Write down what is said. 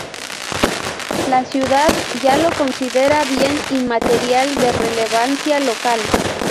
La ciudad ya lo considera Bien Inmaterial de Relevancia Local.